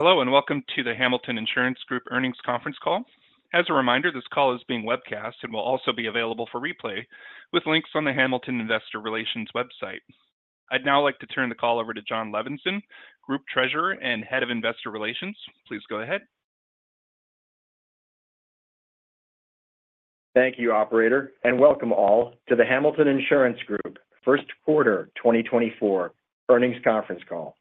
Hello and welcome to the Hamilton Insurance Group Earnings Conference Call. As a reminder, this call is being webcast and will also be available for replay with links on the Hamilton Investor Relations website. I'd now like to turn the call over to Jon Levenson, Group Treasurer and Head of Investor Relations. Please go ahead. Thank you, Operator, and welcome all to the Hamilton Insurance Group first quarter 2024 earnings conference call.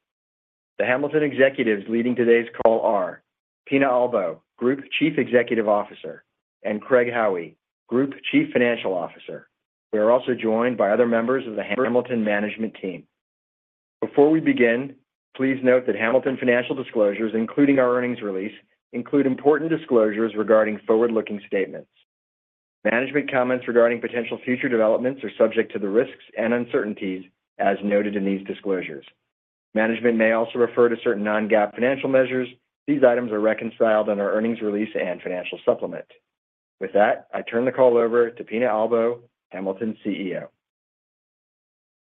The Hamilton executives leading today's call are Pina Albo, Group Chief Executive Officer, and Craig Howie, Group Chief Financial Officer. We are also joined by other members of the Hamilton management team. Before we begin, please note that Hamilton financial disclosures, including our earnings release, include important disclosures regarding forward-looking statements. Management comments regarding potential future developments are subject to the risks and uncertainties as noted in these disclosures. Management may also refer to certain non-GAAP financial measures. These items are reconciled on our earnings release and financial supplement. With that, I turn the call over to Pina Albo, Hamilton CEO.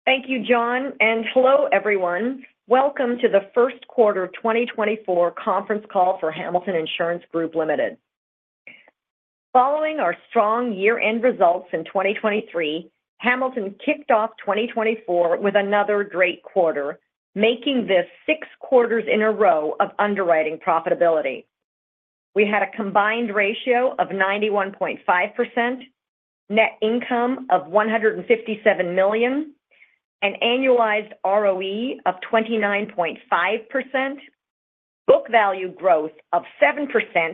Thank you, Jon, and hello everyone. Welcome to Q1 2024 conference call for Hamilton Insurance Group Limited. Following our strong year-end results in 2023, Hamilton kicked off 2024 with another great quarter, making this six quarters in a row of underwriting profitability. We had a combined ratio of 91.5%, net income of $157 million, an annualized ROE of 29.5%, book value growth of 7%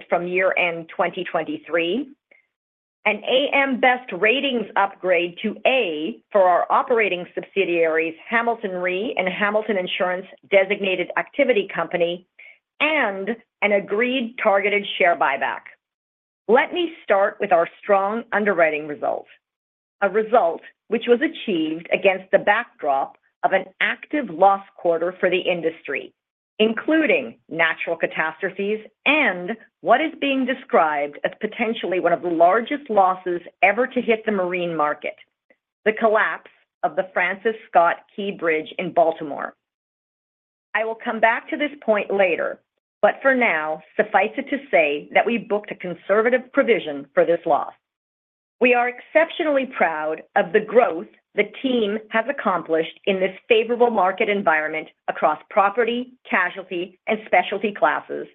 from year-end 2023, an AM Best ratings upgrade to A for our operating subsidiaries Hamilton Re and Hamilton Insurance Designated Activity Company, and an agreed targeted share buyback. Let me start with our strong underwriting result, a result which was achieved against the backdrop of an active loss quarter for the industry, including natural catastrophes and what is being described as potentially one of the largest losses ever to hit the marine market, the collapse of the Francis Scott Key Bridge in Baltimore. I will come back to this point later, but for now, suffice it to say that we booked a conservative provision for this loss. We are exceptionally proud of the growth the team has accomplished in this favorable market environment across property, casualty, and specialty classes.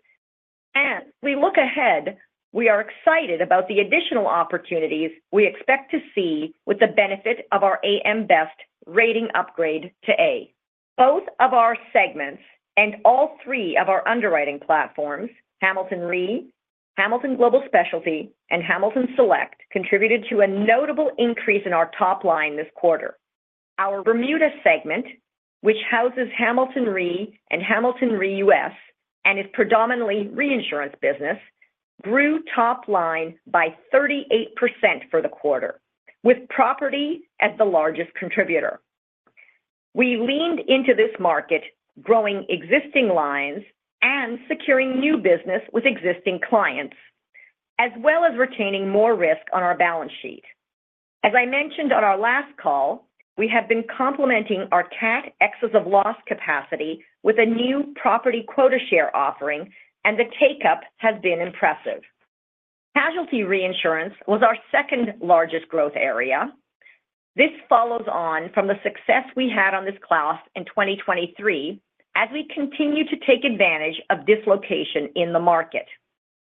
We look ahead. We are excited about the additional opportunities we expect to see with the benefit of our AM Best rating upgrade to A. Both of our segments and all three of our underwriting platforms, Hamilton Re, Hamilton Global Specialty, and Hamilton Select, contributed to a notable increase in our top line this quarter. Our Bermuda segment, which houses Hamilton Re and Hamilton Re US and is predominantly reinsurance business, grew top line by 38% for the quarter, with property as the largest contributor. We leaned into this market growing existing lines and securing new business with existing clients, as well as retaining more risk on our balance sheet. As I mentioned on our last call, we have been complementing our Cat excess of loss capacity with a new property quota share offering, and the take-up has been impressive. Casualty reinsurance was our second largest growth area. This follows on from the success we had on this class in 2023 as we continue to take advantage of dislocation in the market.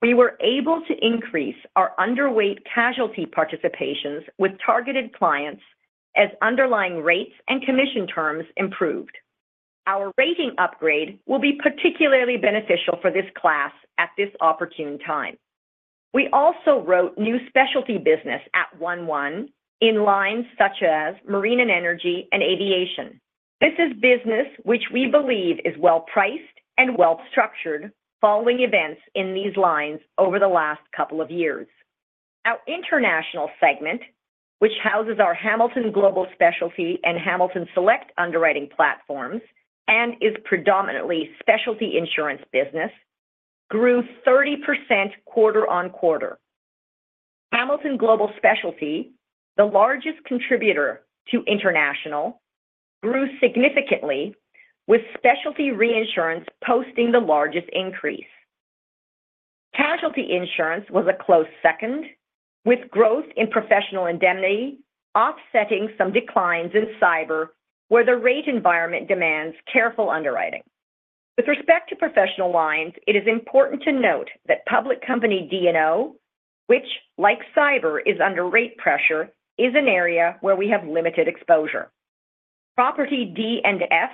We were able to increase our underweight casualty participations with targeted clients as underlying rates and commission terms improved. Our rating upgrade will be particularly beneficial for this class at this opportune time. We also wrote new specialty business at 1/1 in lines such as marine and energy and aviation. This is business which we believe is well-priced and well-structured following events in these lines over the last couple of years. Our international segment, which houses our Hamilton Global Specialty and Hamilton Select underwriting platforms and is predominantly specialty insurance business, grew 30% quarter-over-quarter. Hamilton Global Specialty, the largest contributor to international, grew significantly, with specialty reinsurance posting the largest increase. Casualty insurance was a close second, with growth in professional indemnity offsetting some declines in cyber where the rate environment demands careful underwriting. With respect to professional lines, it is important to note that public company D&O, which, like cyber, is under rate pressure, is an area where we have limited exposure. Property D&F,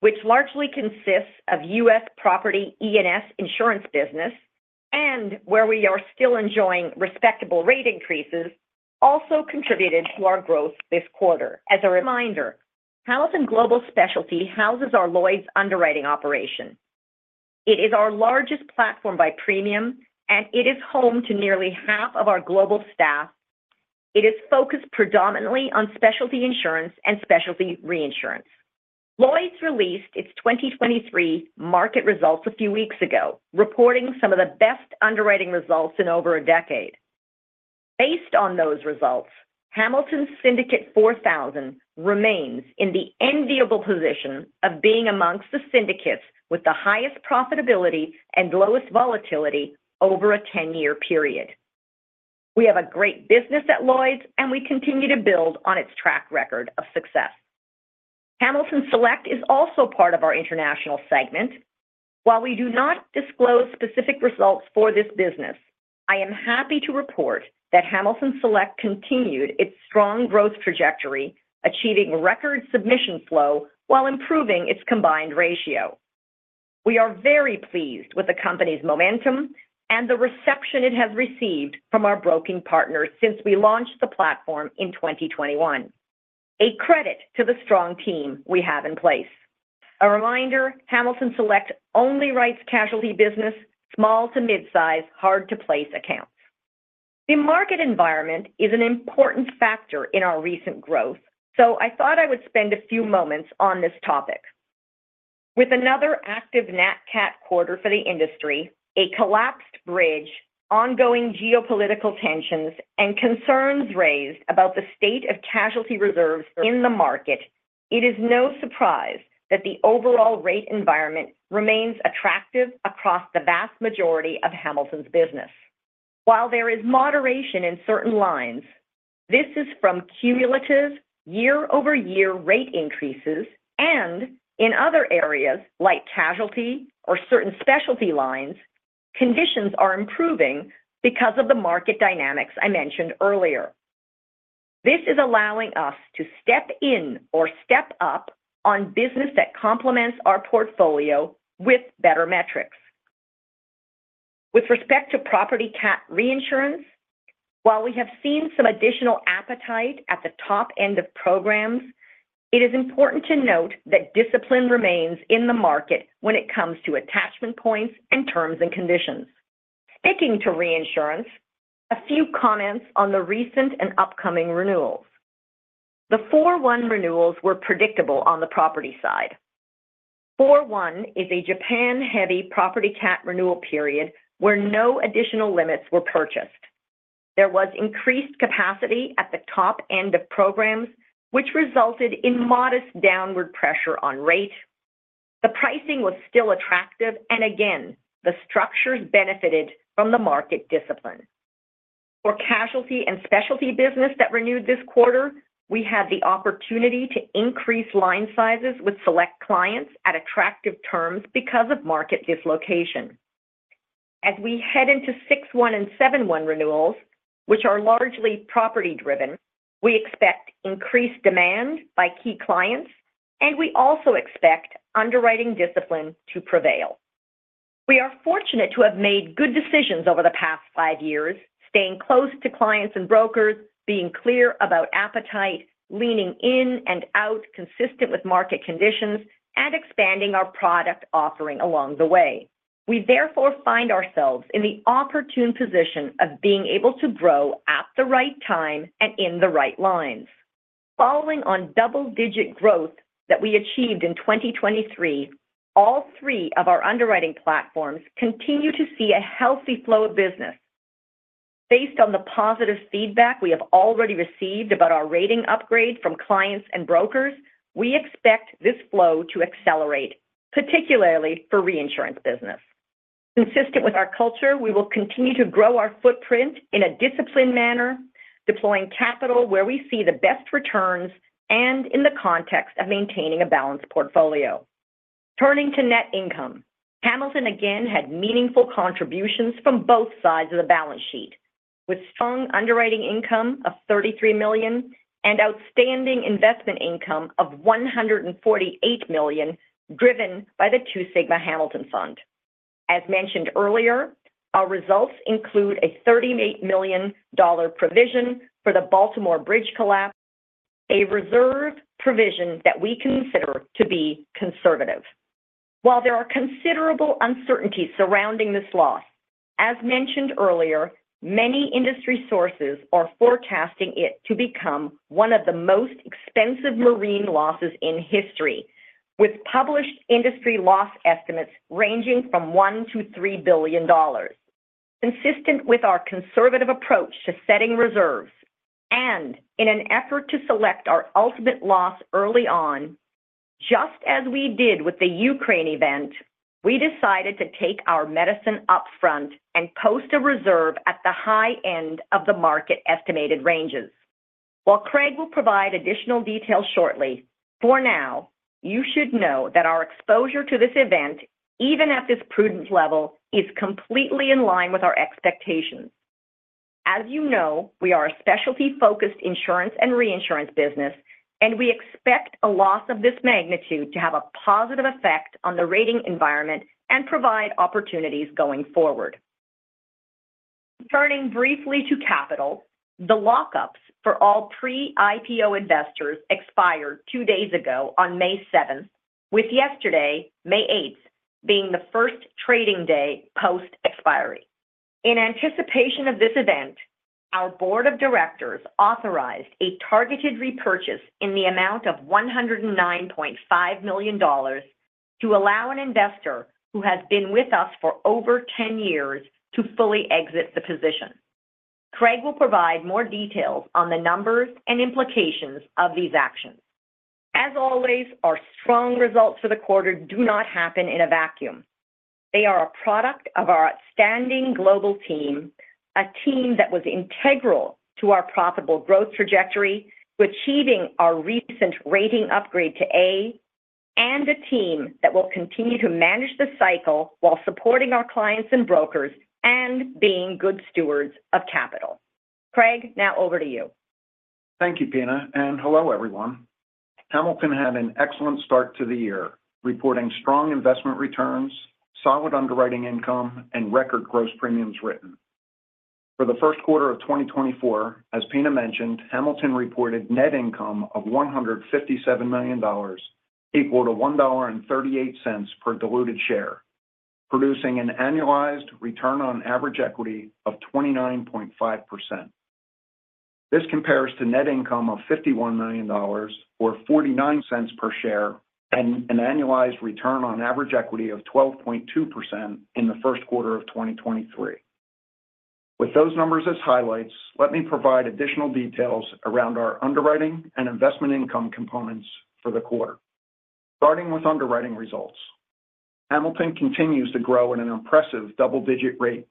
which largely consists of US property E&S insurance business and where we are still enjoying respectable rate increases, also contributed to our growth this quarter. As a reminder, Hamilton Global Specialty houses our Lloyd's underwriting operation. It is our largest platform by premium, and it is home to nearly half of our global staff. It is focused predominantly on specialty insurance and specialty reinsurance. Lloyd's released its 2023 market results a few weeks ago, reporting some of the best underwriting results in over a decade. Based on those results, Hamilton Syndicate 4000 remains in the enviable position of being amongst the syndicates with the highest profitability and lowest volatility over a 10-year period. We have a great business at Lloyd's, and we continue to build on its track record of success. Hamilton Select is also part of our international segment. While we do not disclose specific results for this business, I am happy to report that Hamilton Select continued its strong growth trajectory, achieving record submission flow while improving its combined ratio. We are very pleased with the company's momentum and the reception it has received from our broking partners since we launched the platform in 2021. A credit to the strong team we have in place. A reminder, Hamilton Select only writes casualty business, small to midsize, hard-to-place accounts. The market environment is an important factor in our recent growth, so I thought I would spend a few moments on this topic. With another active Nat Cat quarter for the industry, a collapsed bridge, ongoing geopolitical tensions, and concerns raised about the state of casualty reserves in the market, it is no surprise that the overall rate environment remains attractive across the vast majority of Hamilton's business. While there is moderation in certain lines, this is from cumulative year-over-year rate increases, and in other areas like casualty or certain specialty lines, conditions are improving because of the market dynamics I mentioned earlier. This is allowing us to step in or step up on business that complements our portfolio with better metrics. With respect to property cat reinsurance, while we have seen some additional appetite at the top end of programs, it is important to note that discipline remains in the market when it comes to attachment points and terms and conditions. Sticking to reinsurance, a few comments on the recent and upcoming renewals. The 4/1 renewals were predictable on the property side. 4/1 is a Japan-heavy property cat renewal period where no additional limits were purchased. There was increased capacity at the top end of programs, which resulted in modest downward pressure on rate. The pricing was still attractive, and again, the structures benefited from the market discipline. For casualty and specialty business that renewed this quarter, we had the opportunity to increase line sizes with select clients at attractive terms because of market dislocation. As we head into 6/1 and 7/1 renewals, which are largely property-driven, we expect increased demand by key clients, and we also expect underwriting discipline to prevail. We are fortunate to have made good decisions over the past five years, staying close to clients and brokers, being clear about appetite, leaning in and out consistent with market conditions, and expanding our product offering along the way. We therefore find ourselves in the opportune position of being able to grow at the right time and in the right lines. Following on double-digit growth that we achieved in 2023, all three of our underwriting platforms continue to see a healthy flow of business. Based on the positive feedback we have already received about our rating upgrade from clients and brokers, we expect this flow to accelerate, particularly for reinsurance business. Consistent with our culture, we will continue to grow our footprint in a disciplined manner, deploying capital where we see the best returns and in the context of maintaining a balanced portfolio. Turning to net income, Hamilton again had meaningful contributions from both sides of the balance sheet, with strong underwriting income of $33 million and outstanding investment income of $148 million driven by the Two Sigma Hamilton Fund. As mentioned earlier, our results include a $38 million provision for the Baltimore Bridge collapse, a reserve provision that we consider to be conservative. While there are considerable uncertainties surrounding this loss, as mentioned earlier, many industry sources are forecasting it to become one of the most expensive marine losses in history, with published industry loss estimates ranging from $1 to $3 billion. Consistent with our conservative approach to setting reserves and in an effort to select our ultimate loss early on, just as we did with the Ukraine event, we decided to take our medicine upfront and post a reserve at the high end of the market estimated ranges. While Craig will provide additional details shortly, for now, you should know that our exposure to this event, even at this prudent level, is completely in line with our expectations. As you know, we are a specialty-focused insurance and reinsurance business, and we expect a loss of this magnitude to have a positive effect on the rating environment and provide opportunities going forward. Turning briefly to capital, the lockups for all pre-IPO investors expired two days ago on May 7th, with yesterday, May 8th, being the first trading day post-expiry. In anticipation of this event, our board of directors authorized a targeted repurchase in the amount of $109.5 million to allow an investor who has been with us for over 10 years to fully exit the position. Craig will provide more details on the numbers and implications of these actions. As always, our strong results for the quarter do not happen in a vacuum. They are a product of our outstanding global team, a team that was integral to our profitable growth trajectory to achieving our recent rating upgrade to A, and a team that will continue to manage the cycle while supporting our clients and brokers and being good stewards of capital. Craig, now over to you. Thank you, Pina, and hello everyone. Hamilton had an excellent start to the year, reporting strong investment returns, solid underwriting income, and record gross premiums written. For Q1 of 2024, as Pina mentioned, Hamilton reported net income of $157 million equal to $1.38 per diluted share, producing an annualized return on average equity of 29.5%. This compares to net income of $51 million or $0.49 per share and an annualized return on average equity of 12.2% in Q1 of 2023. With those numbers as highlights, let me provide additional details around our underwriting and investment income components for the quarter. Starting with underwriting results, Hamilton continues to grow at an impressive double-digit rate.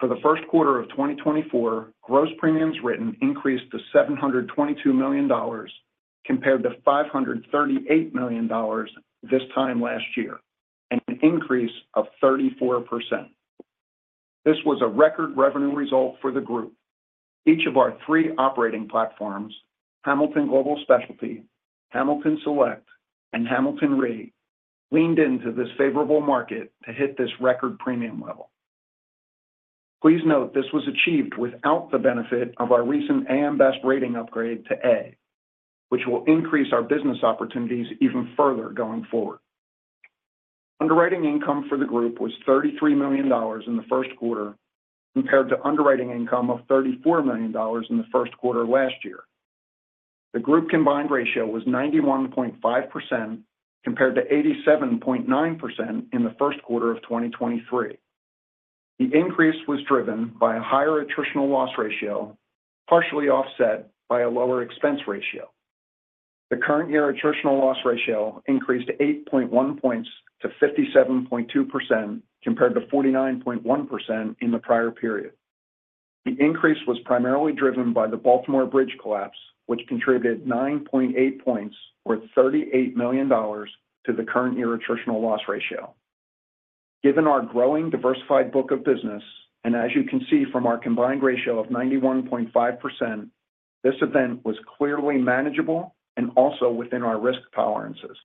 For Q1 of 2024, gross premiums written increased to $722 million compared to $538 million this time last year, an increase of 34%. This was a record revenue result for the group. Each of our three operating platforms, Hamilton Global Specialty, Hamilton Select, and Hamilton Re, leaned into this favorable market to hit this record premium level. Please note this was achieved without the benefit of our recent AM Best rating upgrade to A, which will increase our business opportunities even further going forward. Underwriting income for the group was $33 million in Q1 compared to underwriting income of $34 million in Q1 last year. The group combined ratio was 91.5% compared to 87.9% in Q1 of 2023. The increase was driven by a higher attritional loss ratio, partially offset by a lower expense ratio. The current year attritional loss ratio increased 8.1 points to 57.2% compared to 49.1% in the prior period. The increase was primarily driven by the Baltimore Bridge collapse, which contributed 9.8 points or $38 million to the current year attritional loss ratio. Given our growing diversified book of business, and as you can see from our combined ratio of 91.5%, this event was clearly manageable and also within our risk tolerances.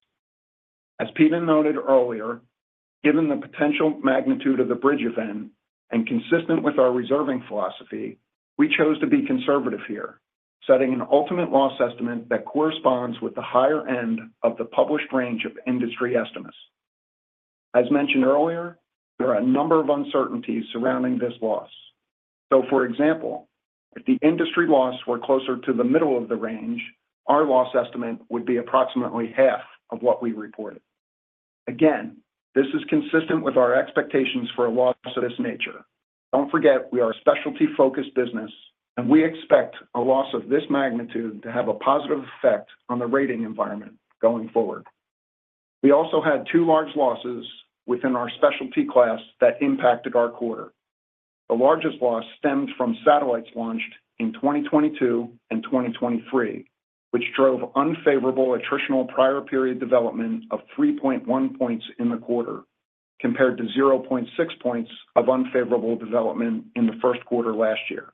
As Pina noted earlier, given the potential magnitude of the bridge event and consistent with our reserving philosophy, we chose to be conservative here, setting an ultimate loss estimate that corresponds with the higher end of the published range of industry estimates. As mentioned earlier, there are a number of uncertainties surrounding this loss. So, for example, if the industry loss were closer to the middle of the range, our loss estimate would be approximately half of what we reported. Again, this is consistent with our expectations for a loss of this nature. Don't forget, we are a specialty-focused business, and we expect a loss of this magnitude to have a positive effect on the rating environment going forward. We also had two large losses within our specialty class that impacted our quarter. The largest loss stemmed from satellites launched in 2022 and 2023, which drove unfavorable attritional prior-period development of 3.1 points in the quarter compared to 0.6 points of unfavorable development in Q1 last year.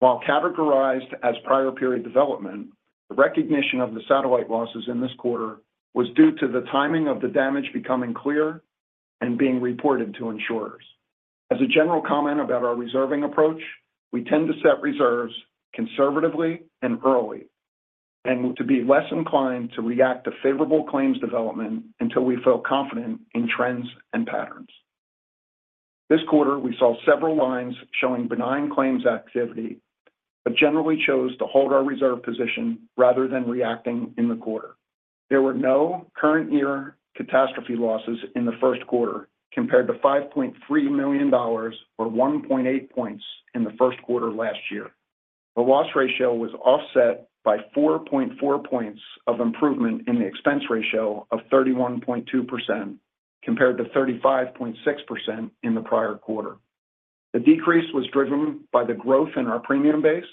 While categorized as prior-period development, the recognition of the satellite losses in this quarter was due to the timing of the damage becoming clear and being reported to insurers. As a general comment about our reserving approach, we tend to set reserves conservatively and early and to be less inclined to react to favorable claims development until we feel confident in trends and patterns. This quarter, we saw several lines showing benign claims activity but generally chose to hold our reserve position rather than reacting in the quarter. There were no current-year catastrophe losses in Q1 compared to $5.3 million or 1.8 points in Q1 last year. The loss ratio was offset by 4.4 points of improvement in the expense ratio of 31.2% compared to 35.6% in the prior quarter. The decrease was driven by the growth in our premium base,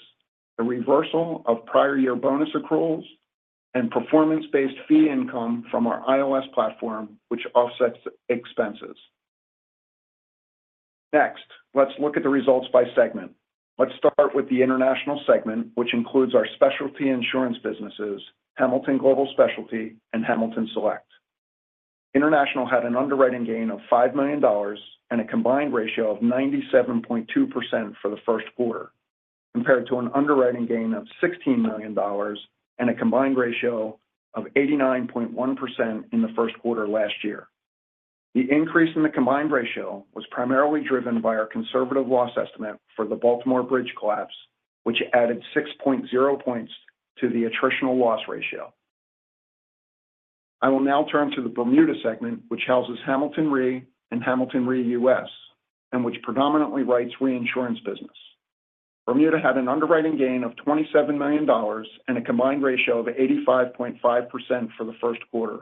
the reversal of prior-year bonus accruals, and performance-based fee income from our ILS platform, which offsets expenses. Next, let's look at the results by segment. Let's start with the international segment, which includes our specialty insurance businesses, Hamilton Global Specialty and Hamilton Select. International had an underwriting gain of $5 million and a combined ratio of 97.2% for Q1 compared to an underwriting gain of $16 million and a combined ratio of 89.1% in Q1 last year. The increase in the combined ratio was primarily driven by our conservative loss estimate for the Baltimore Bridge collapse, which added 6.0 points to the attritional loss ratio. I will now turn to the Bermuda segment, which houses Hamilton Re and Hamilton Re US and which predominantly writes reinsurance business. Bermuda had an underwriting gain of $27 million and a combined ratio of 85.5% for Q1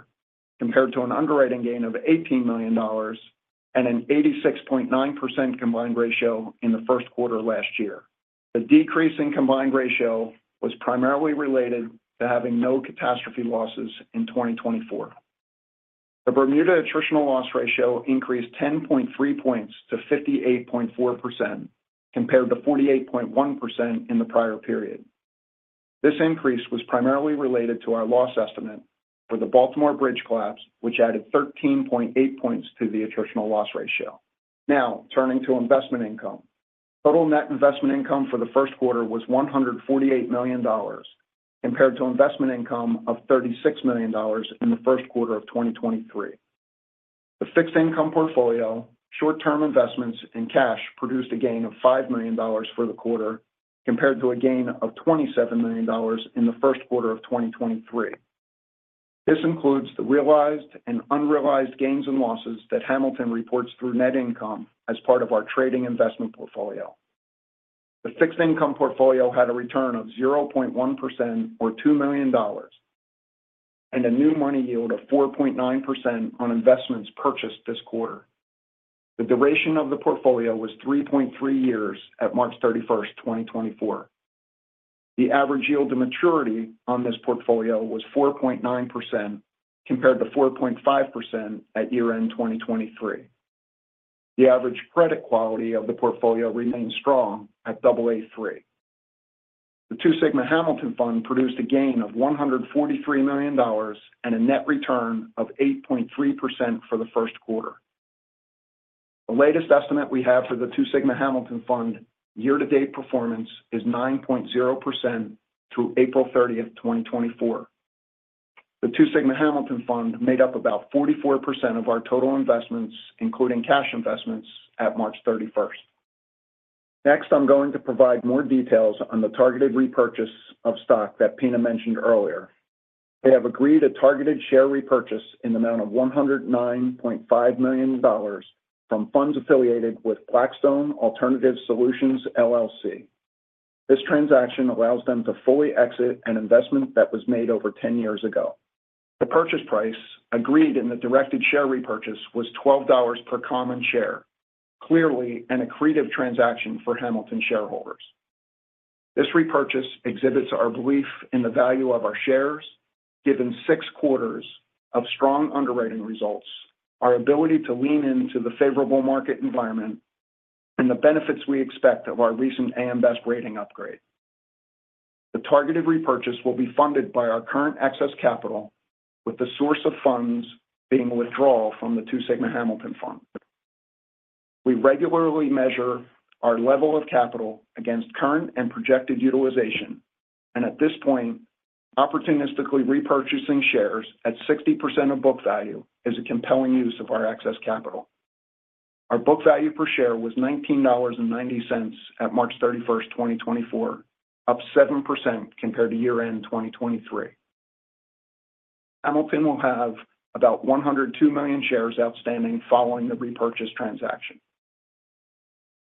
compared to an underwriting gain of $18 million and an 86.9% combined ratio in Q1 last year. The decrease in combined ratio was primarily related to having no catastrophe losses in 2024. The Bermuda attritional loss ratio increased 10.3 points to 58.4% compared to 48.1% in the prior period. This increase was primarily related to our loss estimate for the Baltimore Bridge collapse, which added 13.8 points to the attritional loss ratio. Now, turning to investment income. Total net investment income for Q1 was $148 million compared to investment income of $36 million in Q1 of 2023. The fixed income portfolio, short-term investments, and cash produced a gain of $5 million for the quarter compared to a gain of $27 million in Q1 of 2023. This includes the realized and unrealized gains and losses that Hamilton reports through net income as part of our trading investment portfolio. The fixed income portfolio had a return of 0.1% or $2 million and a new money yield of 4.9% on investments purchased this quarter. The duration of the portfolio was 3.3 years at March 31st, 2024. The average yield to maturity on this portfolio was 4.9% compared to 4.5% at year-end 2023. The average credit quality of the portfolio remained strong at Aa3. The Two Sigma Hamilton Fund produced a gain of $143 million and a net return of 8.3% for Q1. The latest estimate we have for the Two Sigma Hamilton Fund year-to-date performance is 9.0% through April 30th, 2024. The Two Sigma Hamilton Fund made up about 44% of our total investments, including cash investments, at March 31st. Next, I'm going to provide more details on the targeted repurchase of stock that Pina mentioned earlier. They have agreed a targeted share repurchase in the amount of $109.5 million from funds affiliated with Blackstone Alternative Solutions, LLC. This transaction allows them to fully exit an investment that was made over 10 years ago. The purchase price agreed in the directed share repurchase was $12 per common share, clearly an accretive transaction for Hamilton shareholders. This repurchase exhibits our belief in the value of our shares, given six quarters of strong underwriting results, our ability to lean into the favorable market environment, and the benefits we expect of our recent AM Best rating upgrade. The targeted repurchase will be funded by our current excess capital, with the source of funds being withdrawal from the Two Sigma Hamilton Fund. We regularly measure our level of capital against current and projected utilization, and at this point, opportunistically repurchasing shares at 60% of book value is a compelling use of our excess capital. Our book value per share was $19.90 at March 31st, 2024, up 7% compared to year-end 2023. Hamilton will have about 102 million shares outstanding following the repurchase transaction.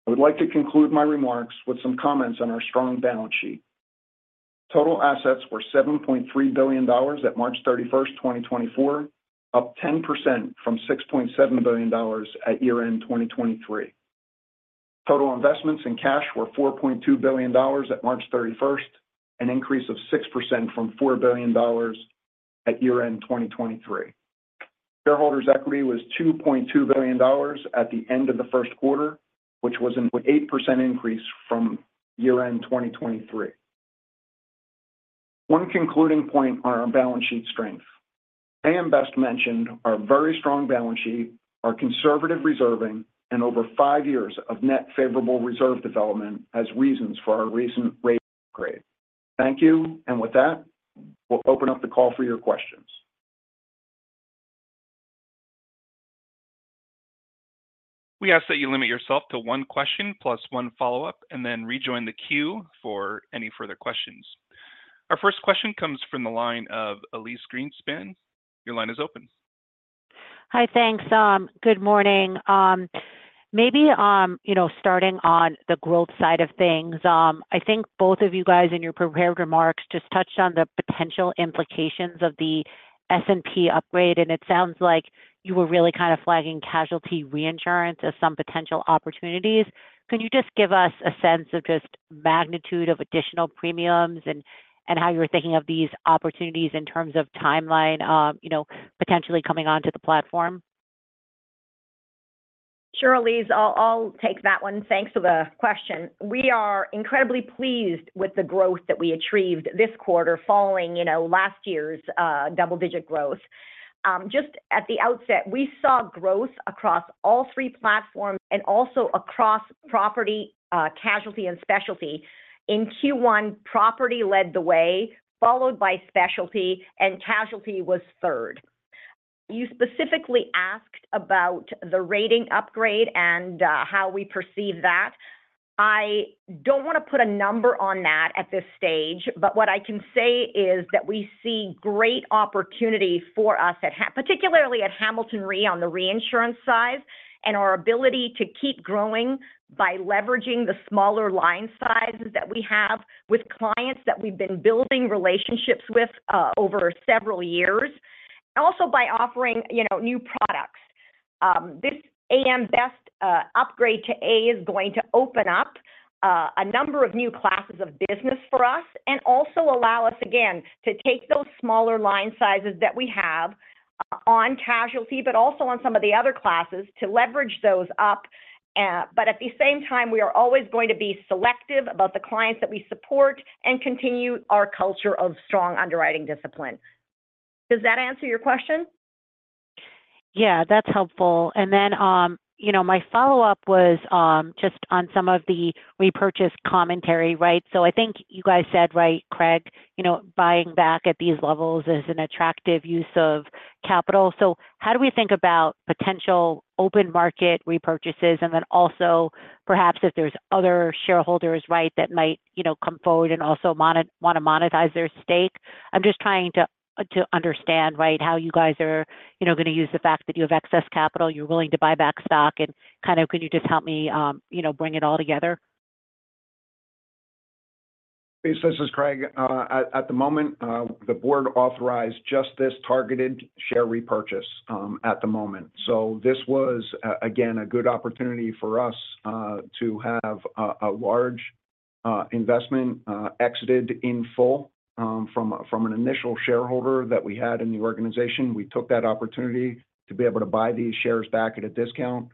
I would like to conclude my remarks with some comments on our strong balance sheet. Total assets were $7.3 billion at March 31st, 2024, up 10% from $6.7 billion at year-end 2023. Total investments in cash were $4.2 billion at March 31st, an increase of 6% from $4 billion at year-end 2023. Shareholders' equity was $2.2 billion at the end of Q1, which was an 8% increase from year-end 2023. One concluding point on our balance sheet strength. AM Best mentioned our very strong balance sheet, our conservative reserving, and over five years of net favorable reserve development as reasons for our recent rate upgrade. Thank you. And with that, we'll open up the call for your questions. We ask that you limit yourself to one question plus one follow-up and then rejoin the queue for any further questions. Our first question comes from the line of Elyse Greenspan. Your line is open. Hi. Thanks. Good morning. Maybe starting on the growth side of things, I think both of you guys in your prepared remarks just touched on the potential implications of the S&P upgrade, and it sounds like you were really kind of flagging casualty reinsurance as some potential opportunities. Can you just give us a sense of just magnitude of additional premiums and how you're thinking of these opportunities in terms of timeline potentially coming onto the platform? Sure, Elyse. I'll take that one. Thanks for the question. We are incredibly pleased with the growth that we achieved this quarter following last year's double-digit growth. Just at the outset, we saw growth across all three platforms and also across property, casualty, and specialty. In Q1, property led the way, followed by specialty, and casualty was third. You specifically asked about the rating upgrade and how we perceive that. I don't want to put a number on that at this stage, but what I can say is that we see great opportunity for us, particularly at Hamilton Re on the reinsurance side and our ability to keep growing by leveraging the smaller line sizes that we have with clients that we've been building relationships with over several years and also by offering new products. This AM Best upgrade to A is going to open up a number of new classes of business for us and also allow us, again, to take those smaller line sizes that we have on casualty but also on some of the other classes to leverage those up. But at the same time, we are always going to be selective about the clients that we support and continue our culture of strong underwriting discipline. Does that answer your question? Yeah. That's helpful. And then my follow-up was just on some of the repurchase commentary, right? So I think you guys said right, Craig, buying back at these levels is an attractive use of capital. So how do we think about potential open market repurchases and then also perhaps if there's other shareholders that might come forward and also want to monetize their stake? I'm just trying to understand how you guys are going to use the fact that you have excess capital, you're willing to buy back stock. And kind of can you just help me bring it all together? Elyse. This is Craig. At the moment, the board authorized just this targeted share repurchase at the moment. So this was, again, a good opportunity for us to have a large investment exited in full from an initial shareholder that we had in the organization. We took that opportunity to be able to buy these shares back at a discount.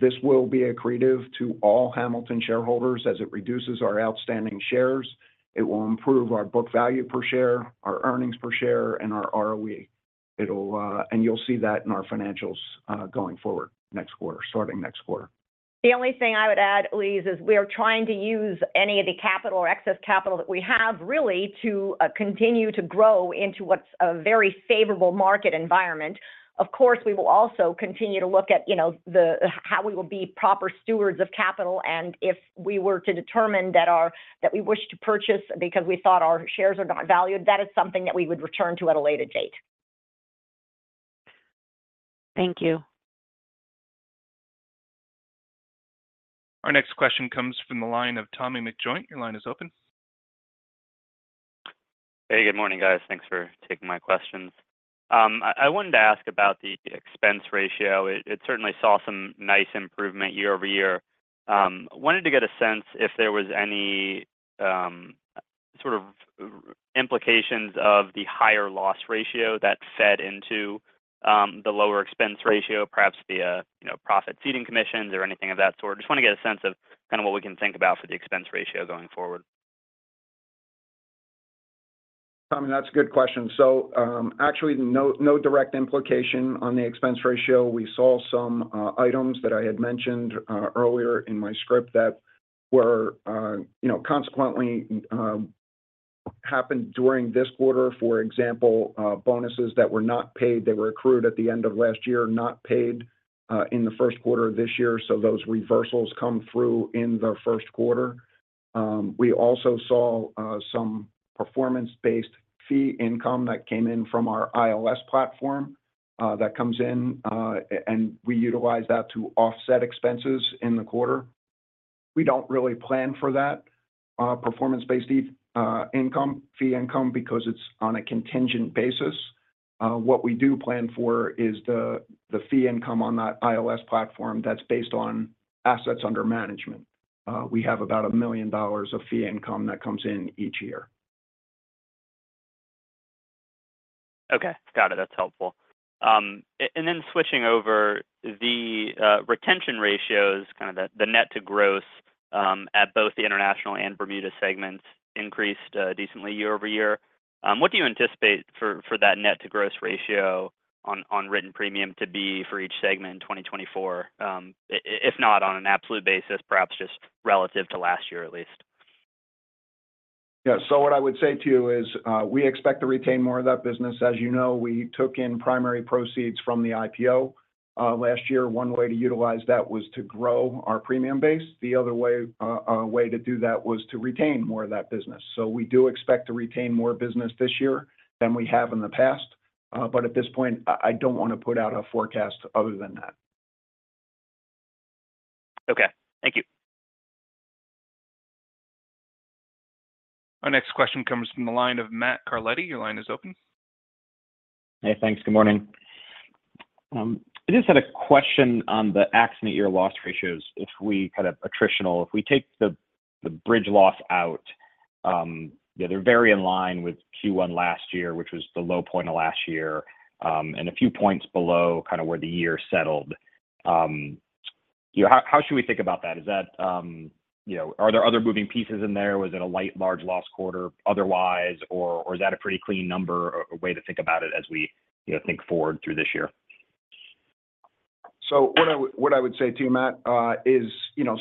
This will be accretive to all Hamilton shareholders as it reduces our outstanding shares. It will improve our book value per share, our earnings per share, and our ROE. And you'll see that in our financials going forward starting next quarter. The only thing I would add, Elyse, is we are trying to use any of the capital or excess capital that we have really to continue to grow into what's a very favorable market environment. Of course, we will also continue to look at how we will be proper stewards of capital. If we were to determine that we wish to purchase because we thought our shares are not valued, that is something that we would return to at a later date. Thank you. Our next question comes from the line of Tommy McJoynt. Your line is open. Hey. Good morning, guys. Thanks for taking my questions. I wanted to ask about the expense ratio. It certainly saw some nice improvement year-over-year. Wanted to get a sense if there was any sort of implications of the higher loss ratio that fed into the lower expense ratio, perhaps via profit ceding commissions or anything of that sort. Just want to get a sense of kind of what we can think about for the expense ratio going forward. Tommy, that's a good question. So actually, no direct implication on the expense ratio. We saw some items that I had mentioned earlier in my script that consequently happened during this quarter. For example, bonuses that were not paid. They were accrued at the end of last year, not paid in Q1 of this year. So those reversals come through in Q1. We also saw some performance-based fee income that came in from our ILS platform that comes in, and we utilize that to offset expenses in the quarter. We don't really plan for that performance-based fee income because it's on a contingent basis. What we do plan for is the fee income on that ILS platform that's based on assets under management. We have about $1 million of fee income that comes in each year. Okay. Got it. That's helpful. And then switching over, the retention ratios, kind of the net to gross at both the international and Bermuda segments, increased decently year-over-year. What do you anticipate for that net to gross ratio on written premium to be for each segment in 2024, if not on an absolute basis, perhaps just relative to last year at least? Yeah. So what I would say to you is we expect to retain more of that business. As you know, we took in primary proceeds from the IPO last year. One way to utilize that was to grow our premium base. The other way to do that was to retain more of that business. So we do expect to retain more business this year than we have in the past. But at this point, I don't want to put out a forecast other than that. Okay. Thank you. Our next question comes from the line of Matt Carletti. Your line is open. Hey. Thanks. Good morning. I just had a question on the accident year loss ratios. If we kind of attritional, if we take the bridge loss out, they're very in line with Q1 last year, which was the low point of last year and a few points below kind of where the year settled. How should we think about that? Are there other moving pieces in there? Was it a light, large loss quarter otherwise, or is that a pretty clean number, a way to think about it as we think forward through this year? So what I would say to you, Matt, is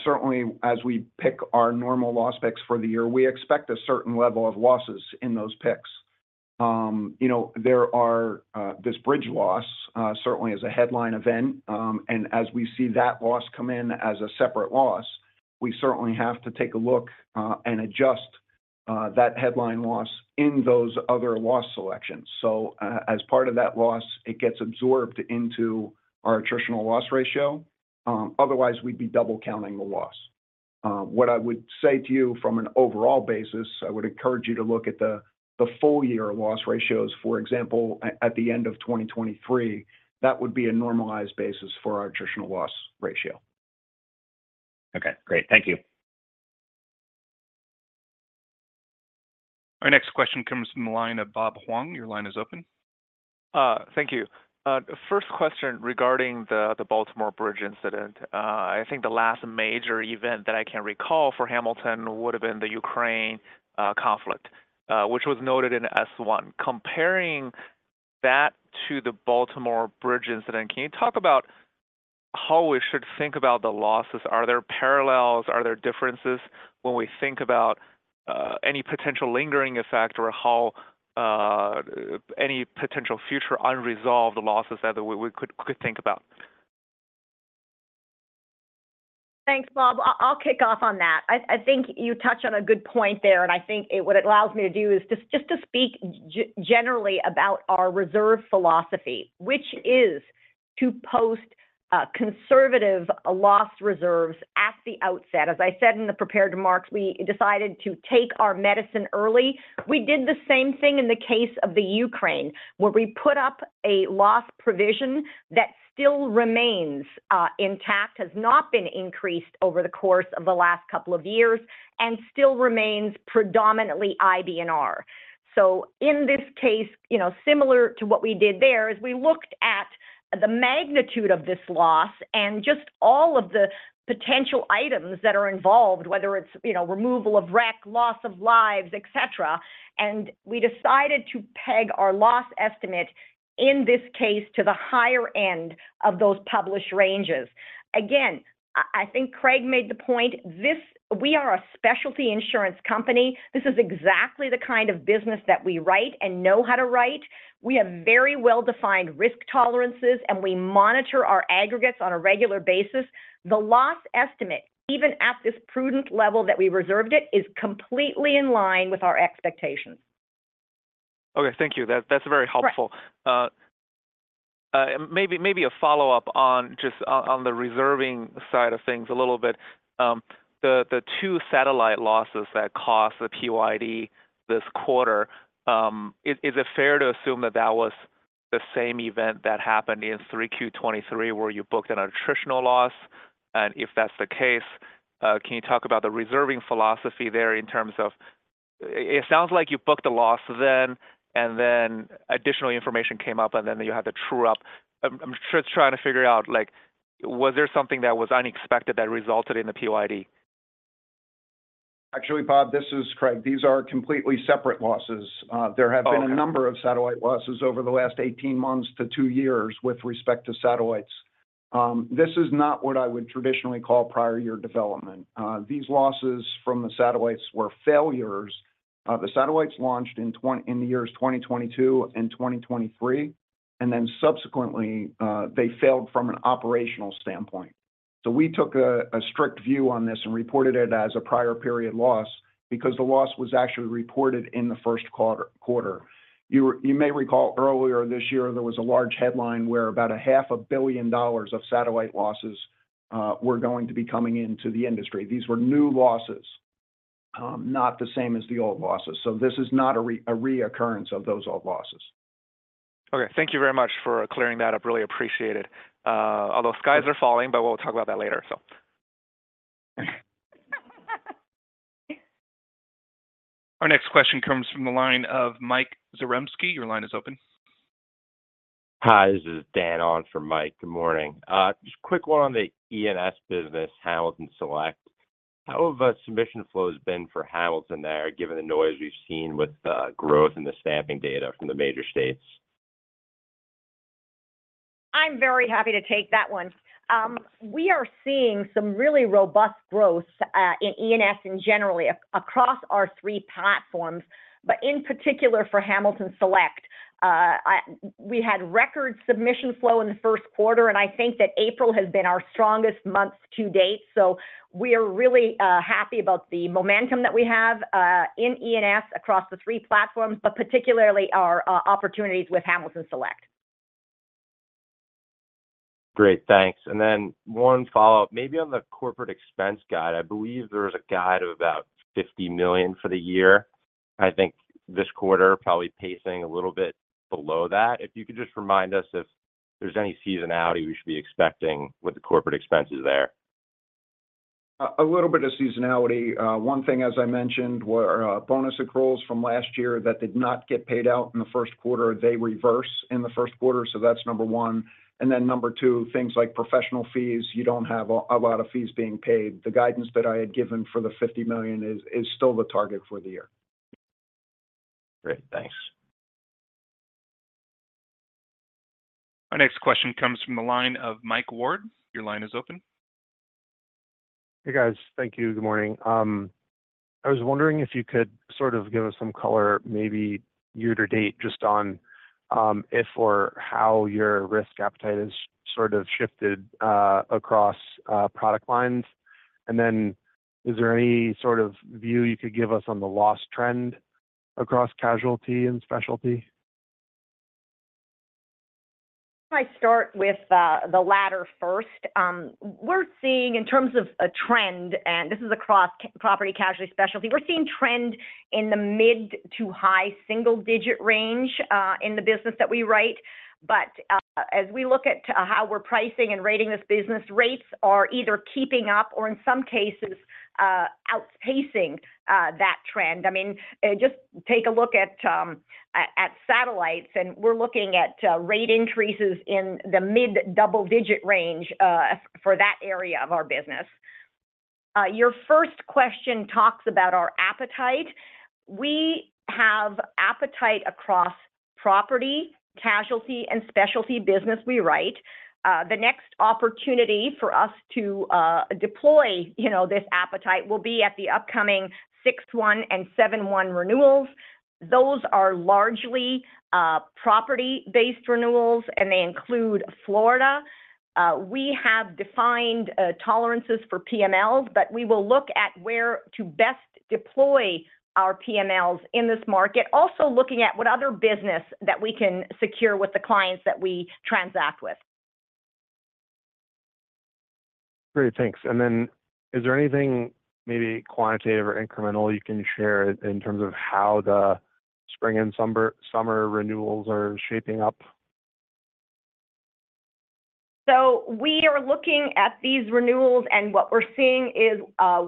certainly as we pick our normal loss picks for the year, we expect a certain level of losses in those picks. There is this bridge loss certainly is a headline event. And as we see that loss come in as a separate loss, we certainly have to take a look and adjust that headline loss in those other loss selections. So as part of that loss, it gets absorbed into our attritional loss ratio. Otherwise, we'd be double counting the loss. What I would say to you from an overall basis, I would encourage you to look at the full-year loss ratios. For example, at the end of 2023, that would be a normalized basis for our attritional loss ratio. Okay. Great. Thank you. Our next question comes from the line of Bob Huang. Your line is open. Thank you. First question regarding the Baltimore Bridge incident. I think the last major event that I can recall for Hamilton would have been the Ukraine conflict, which was noted in S-1. Comparing that to the Baltimore Bridge incident, can you talk about how we should think about the losses? Are there parallels? Are there differences when we think about any potential lingering effect or any potential future unresolved losses that we could think about? Thanks, Bob. I'll kick off on that. I think you touched on a good point there. I think what it allows me to do is just to speak generally about our reserve philosophy, which is to post conservative loss reserves at the outset. As I said in the prepared remarks, we decided to take our medicine early. We did the same thing in the case of the Ukraine where we put up a loss provision that still remains intact, has not been increased over the course of the last couple of years, and still remains predominantly IBNR. So in this case, similar to what we did there, is we looked at the magnitude of this loss and just all of the potential items that are involved, whether it's removal of wreck, loss of lives, etcetera. We decided to peg our loss estimate in this case to the higher end of those published ranges. Again, I think Craig made the point. We are a specialty insurance company. This is exactly the kind of business that we write and know how to write. We have very well-defined risk tolerances, and we monitor our aggregates on a regular basis. The loss estimate, even at this prudent level that we reserved it, is completely in line with our expectations. Okay. Thank you. That's very helpful. Maybe a follow-up on just on the reserving side of things a little bit. The two satellite losses that cost the PYD this quarter, is it fair to assume that that was the same event that happened in Q3 2023 where you booked an attritional loss? And if that's the case, can you talk about the reserving philosophy there in terms of it sounds like you booked a loss then, and then additional information came up, and then you had to true up. I'm just trying to figure out, was there something that was unexpected that resulted in the PYD? Actually, Bob, this is Craig. These are completely separate losses. There have been a number of satellite losses over the last 18 months to two years with respect to satellites. This is not what I would traditionally call prior year development. These losses from the satellites were failures. The satellites launched in the years 2022 and 2023, and then subsequently, they failed from an operational standpoint. So we took a strict view on this and reported it as a prior period loss because the loss was actually reported in Q1. You may recall earlier this year, there was a large headline where about $500 million of satellite losses were going to be coming into the industry. These were new losses, not the same as the old losses. So this is not a reoccurrence of those old losses. Okay. Thank you very much for clearing that up. Really appreciate it. Although skies are falling, but we'll talk about that later, so. Our next question comes from the line of Mike Zaremski. Your line is open. Hi. This is Dan Oh for Mike. Good morning. Just quick one on the E&S business, Hamilton Select. How have submission flows been for Hamilton there given the noise we've seen with growth in the stamping data from the major states? I'm very happy to take that one. We are seeing some really robust growth in E&S and generally across our three platforms, but in particular for Hamilton Select. We had record submission flow in Q1, and I think that April has been our strongest month to date. So we are really happy about the momentum that we have in E&S across the three platforms, but particularly our opportunities with Hamilton Select. Great. Thanks. And then one follow-up. Maybe on the corporate expense guide, I believe there was a guide of about $50 million for the year. I think this quarter probably pacing a little bit below that. If you could just remind us if there's any seasonality we should be expecting with the corporate expenses there? A little bit of seasonality. One thing, as I mentioned, were bonus accruals from last year that did not get paid out in Q1. They reverse in Q1. So that's number one. And then number two, things like professional fees. You don't have a lot of fees being paid. The guidance that I had given for the $50 million is still the target for the year. Great. Thanks. Our next question comes from the line of Michael Ward. Your line is open. Hey, guys. Thank you. Good morning. I was wondering if you could sort of give us some color, maybe year to date, just on if or how your risk appetite has sort of shifted across product lines. And then is there any sort of view you could give us on the loss trend across casualty and specialty? If I start with the latter first, we're seeing in terms of a trend, and this is across property, casualty, specialty. We're seeing trend in the mid- to high single-digit range in the business that we write. But as we look at how we're pricing and rating this business, rates are either keeping up or, in some cases, outpacing that trend. I mean, just take a look at satellites, and we're looking at rate increases in the mid double-digit range for that area of our business. Your first question talks about our appetite. We have appetite across property, casualty, and specialty business we write. The next opportunity for us to deploy this appetite will be at the upcoming 6/1 and 7/1 renewals. Those are largely property-based renewals, and they include Florida. We have defined tolerances for PMLs, but we will look at where to best deploy our PMLs in this market, also looking at what other business that we can secure with the clients that we transact with. Great. Thanks. And then is there anything maybe quantitative or incremental you can share in terms of how the spring and summer renewals are shaping up? So we are looking at these renewals, and what we're seeing is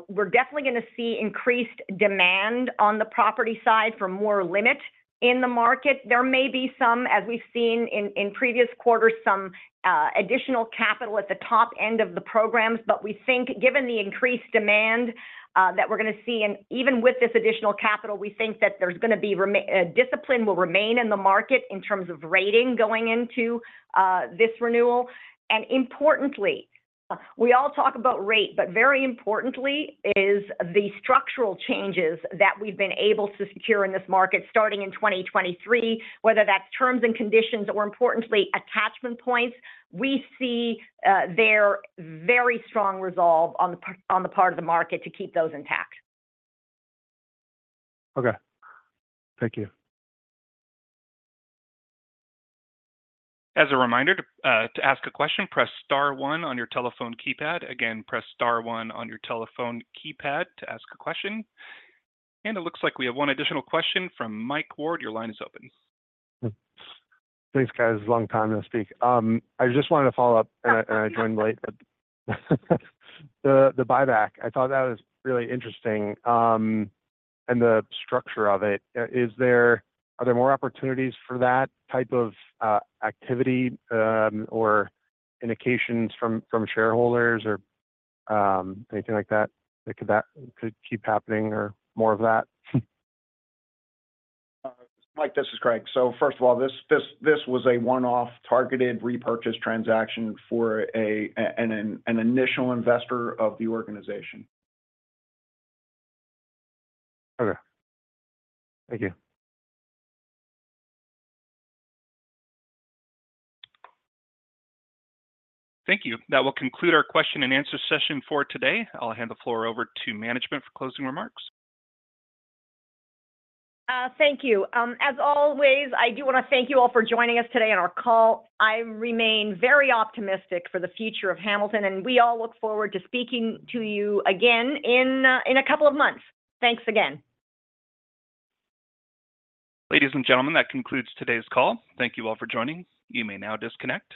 we're definitely going to see increased demand on the property side for more limit in the market. There may be some, as we've seen in previous quarters, some additional capital at the top end of the programs. But we think, given the increased demand that we're going to see, and even with this additional capital, we think that there's going to be discipline will remain in the market in terms of rating going into this renewal. And importantly, we all talk about rate, but very importantly is the structural changes that we've been able to secure in this market starting in 2023, whether that's terms and conditions or, importantly, attachment points. We see there very strong resolve on the part of the market to keep those intact. Okay. Thank you. As a reminder, to ask a question, press star one on your telephone keypad. Again, press star one on your telephone keypad to ask a question. And it looks like we have one additional question from Mike Ward. Your line is open. Thanks, guys. Long time no speak. I just wanted to follow up, and I joined late. The buyback, I thought that was really interesting. And the structure of it, are there more opportunities for that type of activity or indications from shareholders or anything like that that could keep happening or more of that? Mike, this is Craig. So first of all, this was a one-off targeted repurchase transaction for an initial investor of the organization. Okay. Thank you. Thank you. That will conclude our question and answer session for today. I'll hand the floor over to management for closing remarks. Thank you. As always, I do want to thank you all for joining us today on our call. I remain very optimistic for the future of Hamilton, and we all look forward to speaking to you again in a couple of months. Thanks again. Ladies and gentlemen, that concludes today's call. Thank you all for joining. You may now disconnect.